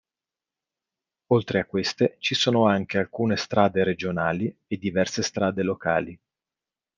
Oltre a queste ci sono anche alcune strade regionali e diverse strade locali.